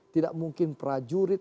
tidak mungkin prajurit